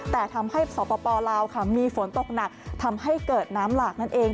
แต่ทำให้สปลาวค่ะมีฝนตกหนักทำให้เกิดน้ำหลากนั่นเอง